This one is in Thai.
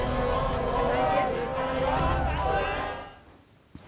จะต้องแล้ว